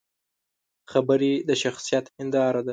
خبرې د شخصیت هنداره ده